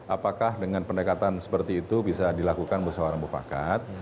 apakah dengan pendekatan seperti itu bisa dilakukan musyawarah mufakat